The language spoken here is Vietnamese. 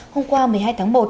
hôm qua một mươi hai tháng một